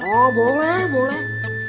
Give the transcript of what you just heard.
oh boleh boleh